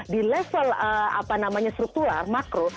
di level apa namanya struktural makro